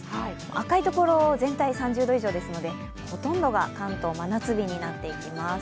赤いところ全体３０度以上ですので、ほとんどが関東、真夏日になっていきます。